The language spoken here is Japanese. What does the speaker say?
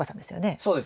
そうですね。